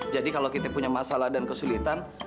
jadi kalau kita punya masalah dan kesulitan